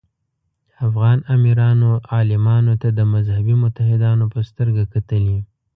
افغان امیرانو عالمانو ته د مذهبي متحدانو په سترګه کتلي.